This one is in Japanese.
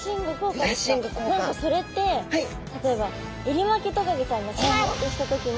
何かそれって例えばエリマキトカゲちゃんがシャー！ってした時の。